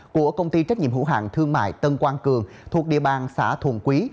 của công ty trách nhiệm hữu hạng thương mại tân quang cường thuộc địa bàn xã thuần quý